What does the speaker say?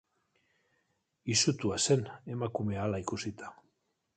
Izutua zen, emakumea hala ikusita.